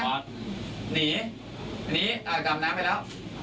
หนีอ่ะกลำน้ำไปแล้ว